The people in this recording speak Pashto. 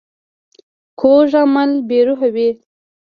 کوږ عمل بې روح وي